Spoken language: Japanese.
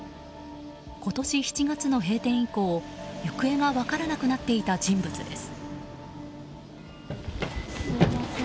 今年７月の閉店以降、行方が分からなくなっていた人物です。